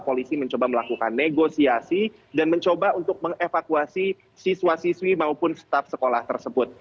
polisi mencoba melakukan negosiasi dan mencoba untuk mengevakuasi siswa siswi maupun staf sekolah tersebut